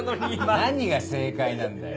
何が正解なんだよ？